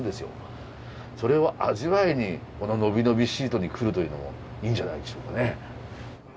それを味わいにこのノビノビシートに来るというのもいいんじゃないでしょうかね。